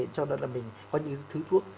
cho nên là mình có những thứ thuốc